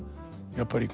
やっぱり